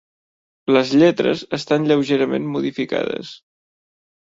Les lletres estan lleugerament modificades.